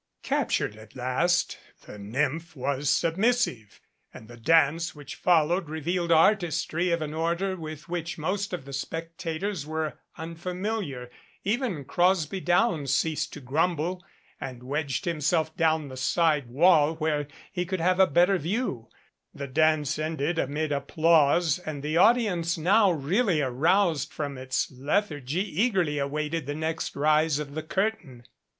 Captured at last, the nymph was submissive, and the dance which followed revealed artistry of an order with which most of the spec tators were unfamiliar. Even Crosby Downs ceased to grumble and wedged himself down the side wall where he 299 could have a better view. The dance ended amid applause and the audience now really aroused from its lethargy eagerly awaited the next rise of the curtain.